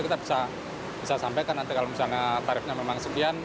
kita bisa sampaikan nanti kalau misalnya tarifnya memang sekian